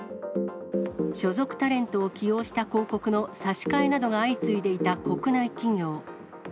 所属タレントを起用した広告の差し替えなどが相次いでいた国内企業。